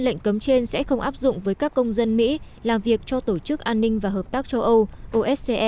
lệnh cấm trên sẽ không áp dụng với các công dân mỹ làm việc cho tổ chức an ninh và hợp tác châu âu